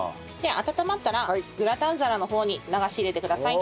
温まったらグラタン皿の方に流し入れてください。